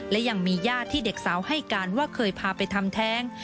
และยังมีญาติที่เด็กสาวให้การว่าเคยพาไปทำแท้ง